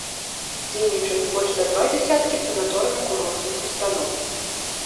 Дзейнічаюць больш за два дзесяткі санаторна-курортных устаноў.